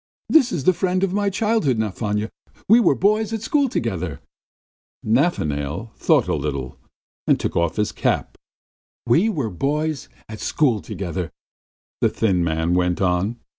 This is the friend of my childhood, Nafanya. We were boys at school together!" Nafanail thought a little and took off his cap. "We were boys at school together," the thin man went on.